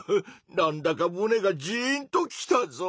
なんだかむねがジーンときたぞ！